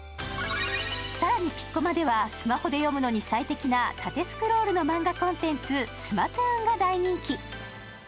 更にピッコマでは、スマホで読むのに最適な縦スクロールのマンガコンテンツ、スマトゥーンが大人気。